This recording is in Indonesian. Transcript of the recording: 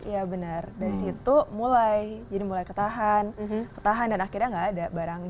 iya benar dari situ mulai jadi mulai ketahan ketahan dan akhirnya gak ada barang